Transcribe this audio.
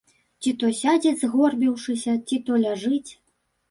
Ці то сядзіць, згорбіўшыся, ці то ляжыць.